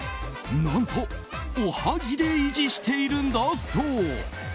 何と、おはぎで維持しているんだそう。